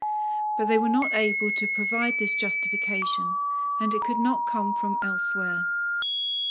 But they were not able to provide this justification, and it could not come from elsewhere.